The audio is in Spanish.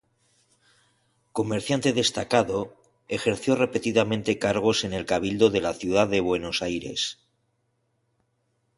Comerciante destacado, ejerció repetidamente cargos en el cabildo de la ciudad de Buenos Aires.